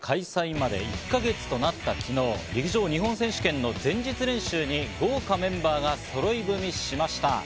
東京オリンピック開催まで１か月となった昨日、陸上日本選手権の前日練習に豪華メンバーがそろい踏みしました。